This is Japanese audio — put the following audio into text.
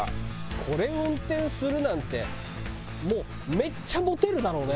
これを運転するなんてもうめっちゃモテるだろうね。